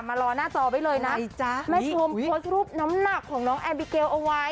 รอหน้าจอไว้เลยนะแม่ชมโพสต์รูปน้ำหนักของน้องแอบิเกลเอาไว้